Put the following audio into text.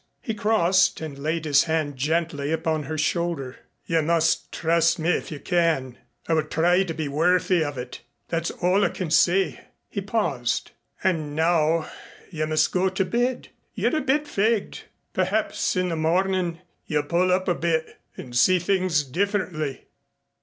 He crossed and laid his hand gently upon her shoulder. "You must trust in me if you can. I will try to be worthy of it. That's all I can say." He paused. "And now you must go to bed. You're a bit fagged. Perhaps in the mornin' you'll pull up a bit and see things differently."